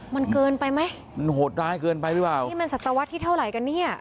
มันเกินไปไหมมันโหดร้ายเกินไปหรือเปล่านี่มันสัตวรรษที่เท่าไหร่กันเนี่ย